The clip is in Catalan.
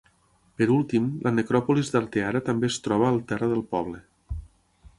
Per últim, la necròpolis d'Arteara també es troba al terra del poble.